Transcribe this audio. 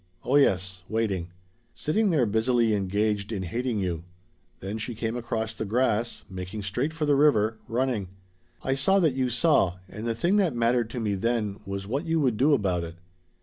Oh yes waiting. Sitting there busily engaged in hating you. Then she came across the grass making straight for the river running. I saw that you saw, and the thing that mattered to me then was what you would do about it.